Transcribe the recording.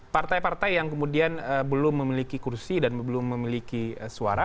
partai partai yang kemudian belum memiliki kursi dan belum memiliki suara